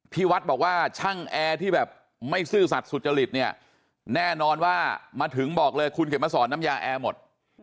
ที่วัดบอกว่าช่างแอร์ที่แบบไม่ซื่อสัตว์สุจริตเนี่ยแน่นอนว่ามาถึงบอกเลยคุณเข็มมาสอนน้ำยาแอร์หมด